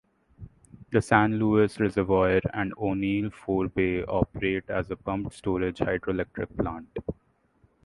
The San Luis Reservoir and O'Neill Forebay operate as a pumped storage hydroelectric plant.